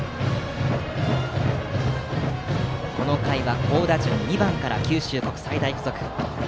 この回は好打順の２番からという九州国際大付属。